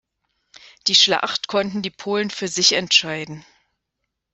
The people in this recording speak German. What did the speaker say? Die Schlacht konnten die Polen für sich entscheiden.